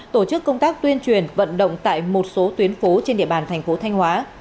tổ chức công tác tuyên truyền vận động tại một số tuyến phố trên địa bàn thành phố thanh hóa